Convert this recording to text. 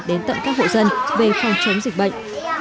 đến tận các hộ dân về phòng chống dịch bệnh